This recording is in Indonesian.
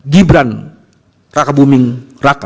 gibran raka buming raka